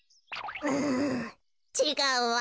うんちがうわ。